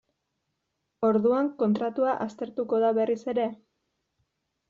Orduan kontratua aztertuko da berriz ere?